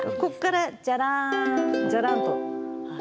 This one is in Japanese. ここから、じゃらんと。